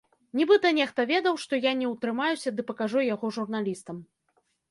Нібыта нехта ведаў, што я не ўтрымаюся ды пакажу яго журналістам.